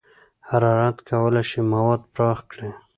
حرارت کولی شي مواد پراخ کړي.